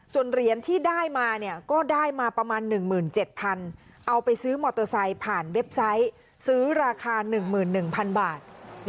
ส่วนเหรียญที่ได้มาเนี่ยก็ได้มาประมาณ๑๗๐๐๐บาท